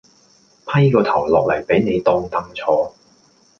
批個頭落嚟畀你當凳坐